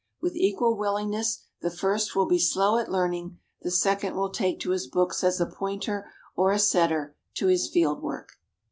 With equal willingness, the first will be slow at learning; the second will take to his books as a pointer or a setter to his field work.